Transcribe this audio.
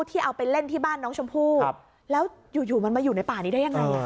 ที่เอาไปเล่นที่บ้านน้องชมพู่แล้วอยู่มันมาอยู่ในป่านี้ได้ยังไง